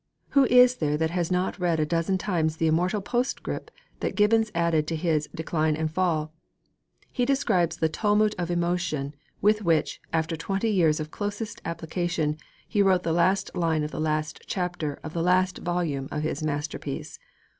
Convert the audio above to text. Who is there that has not read a dozen times the immortal postscript that Gibbon added to his Decline and Fall? He describes the tumult of emotion with which, after twenty years of closest application, he wrote the last line of the last chapter of the last volume of his masterpiece.